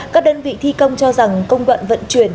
các đơn vị thi công cho rằng công đoạn vận chuyển